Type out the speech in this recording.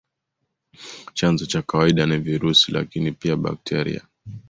Chanzo cha kawaida ni virusi, lakini pia bakteria.